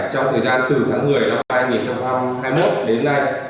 trong thời gian từ tháng một mươi năm hai nghìn hai mươi một đến nay